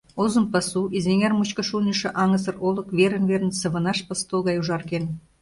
Озым пасу, Изэҥер мучко шуйнышо аҥысыр олык верын-верын сывынаш посто гай ужарген.